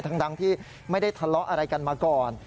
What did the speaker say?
ทั้งที่ไม่ได้ทะเลาะอะไรกันมาก่อน